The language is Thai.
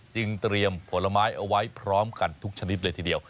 จึงเตรียมผลไม้เอาไว้พร้อมกันทุกชนิดเลยทีเดียว